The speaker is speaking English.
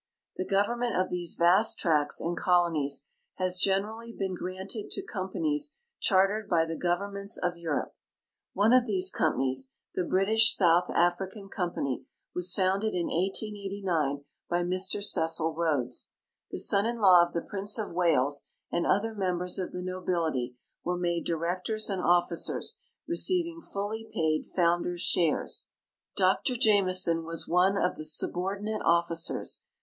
The government of these va.st tracts and colonies has gener ally been granted to companies chartered bj'' the governments of Europe. One of these companies, the British South African Com pan\qwas founded in 1889 by Mr Cecil Rhodes. The son in law of the Prince of Wales and other members of the nobility were made directors and officers, receiving full paid founders' shares. Dr Jameson was one of the subordinate officers.